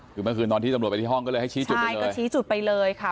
คือเมื่อคืนตอนที่ตำรวจไปที่ห้องก็เลยให้ชี้จุดใช่ก็ชี้จุดไปเลยค่ะ